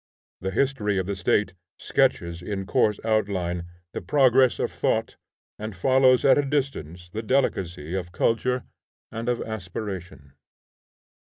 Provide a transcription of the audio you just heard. The history of the State sketches in coarse outline the progress of thought, and follows at a distance the delicacy of culture and of aspiration.